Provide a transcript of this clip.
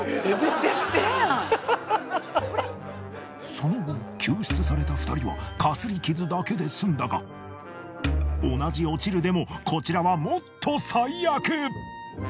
その後救出された２人はかすり傷だけで済んだが同じ落ちるでもこちらはもっと最悪！